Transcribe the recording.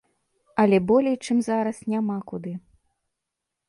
Але болей, чым зараз, няма куды.